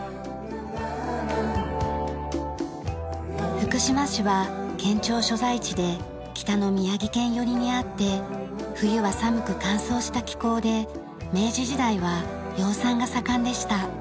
福島市は県庁所在地で北の宮城県寄りにあって冬は寒く乾燥した気候で明治時代は養蚕が盛んでした。